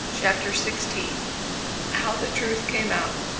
CHAPTER XVI. HOW THE TRUTH CAME OUT.